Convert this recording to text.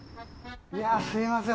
いやすいません。